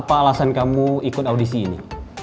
apa alasan kamu ikut audisi ini